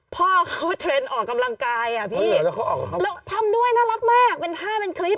พ่อเขาเทรนด์ออกกำลังกายอ่ะพี่แล้วทำด้วยน่ารักมากเป็นท่าเป็นคลิป